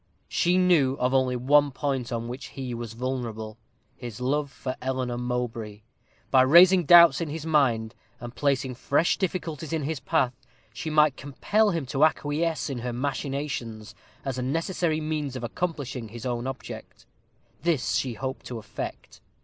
She knew of only one point on which he was vulnerable his love for Eleanor Mowbray. By raising doubts in his mind, and placing fresh difficulties in his path, she might compel him to acquiesce in her machinations, as a necessary means of accomplishing his own object. This she hoped to effect.